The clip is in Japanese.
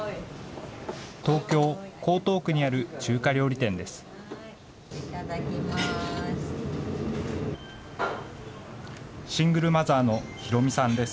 東京・江東区にある中華料理店です。